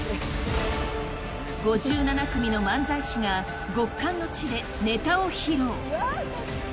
５７組の漫才師が極寒の地でネタを披露。